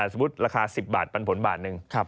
สมมุติราคา๑๐บาทปันผลบาทหนึ่ง